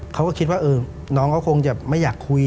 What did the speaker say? เขาก็คิดว่าน้องเขาคงจะไม่อยากคุย